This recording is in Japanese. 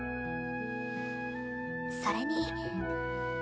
それに。